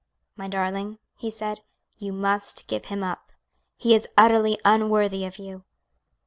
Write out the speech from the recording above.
"My darling," he said, "you must give him up; he is utterly unworthy of you."